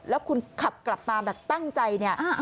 แล้วคุณขับกลับมาตั้งใจ